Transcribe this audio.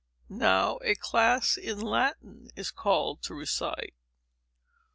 Now a class in Latin is called to recite.